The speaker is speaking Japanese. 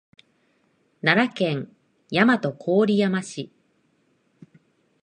奈良県大和郡山市